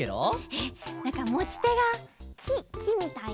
えっなんかもちてがききみたいな。